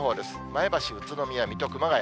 前橋、宇都宮、水戸、熊谷。